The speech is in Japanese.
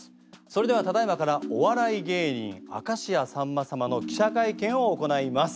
それではただ今からお笑い芸人明石家さんま様の記者会見を行います。